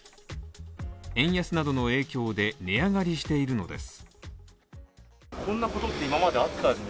円安などの影響で値上がりしているのです。